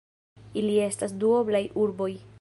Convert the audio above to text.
Ili estas duoblaj urboj.